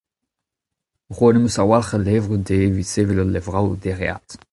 Roet em eus a-walc'h a levrioù dezhi evit sevel ul levraoueg dereat.